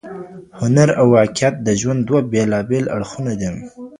هنر او واقعیت د ژوند دوه بېلابېل اړخونه دي.